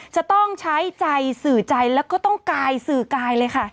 จะต้องใช้ใจสื่อใจแล้วก็ต้องกายสื่อกายเลยค่ะ